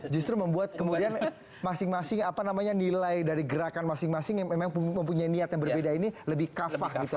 justru membuat kemudian masing masing apa namanya nilai dari gerakan masing masing yang memang mempunyai niat yang berbeda ini lebih kafah gitu